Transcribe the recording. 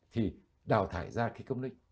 thì đào thải ra khí carbonic